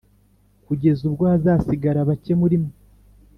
kugeza ubwo hazasigara bake muri mwe,